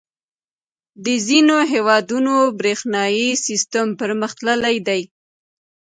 • د ځینو هېوادونو برېښنايي سیسټم پرمختللی دی.